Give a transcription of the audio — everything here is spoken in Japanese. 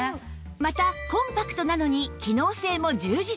またコンパクトなのに機能性も充実